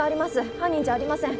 犯人じゃありません。